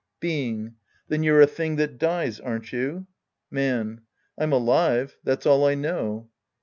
Being. Then you're a thing that dies, aren't you ? Man. I'm alive. That's all I know.